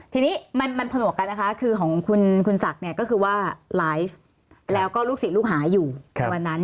ทีนี้มันผนวกกันนะคะคือของคุณศักดิ์เนี่ยก็คือว่าไลฟ์แล้วก็ลูกศิษย์ลูกหาอยู่ในวันนั้น